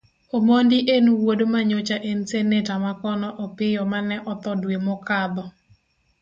Omondi en wuod manyocha en seneta makono Opiyo mane otho dwe mokadho.